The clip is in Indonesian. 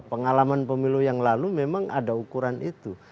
pengalaman pemilu yang lalu memang ada ukuran itu